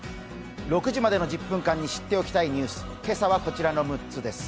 ６時までの１０分間に知っておきたいニュース、今朝はこちらの６つです。